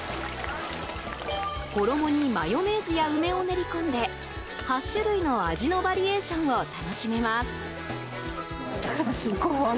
衣にマヨネーズや梅を練り込んで８種類の味のバリエーションを楽しめます。